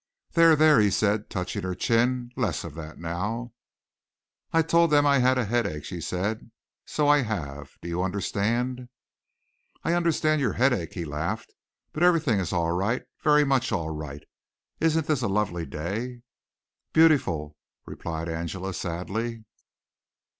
"There, there," he said, touching her chin, "less of that now!" "I told them that I had a headache," she said. "So I have. Do you understand?" "I understand your headache," he laughed. "But everything is all right very much all right. Isn't this a lovely day!" "Beautiful," replied Angela sadly.